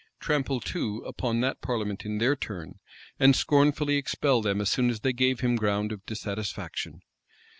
Trample, too, upon that parliament in their turn, and scornfully expel them as soon as they gave him ground of dissatisfaction?